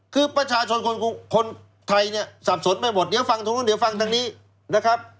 คือประชาชนคนไทยเนี่ยสับสนไปหมดเดี๋ยวฟังทางนู้นเดี๋ยวฟังทางนี้นะครับ